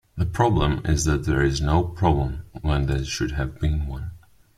The problem is that there is no problem when there should have been one.